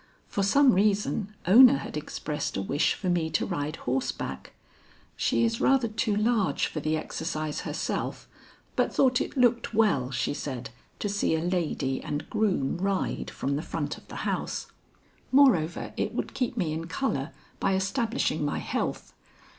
For some reason Ona had expressed a wish for me to ride horseback. She is rather too large for the exercise herself, but thought it looked well, she said, to see a lady and groom ride from the front of the house; moreover it would keep me in color by establishing my health.